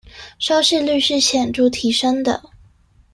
收視率是顯著提升的